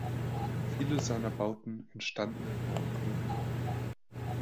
Viele seiner Bauten entstanden in Nordböhmen.